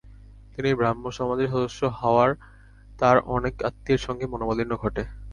তিনি ব্রাহ্ম সমাজের সদস্য হওয়ায় তার অনেক আত্মীয়ের সঙ্গে মনোমালিন্য ঘটে।